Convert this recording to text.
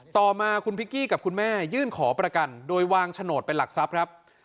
ต่อมาคุณพิกกี้กับคุณแม่ยื่นขอประกันโดยวางโฉนดเป็นหลักทรัพย์ครับ